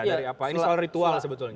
ini soal ritual sebetulnya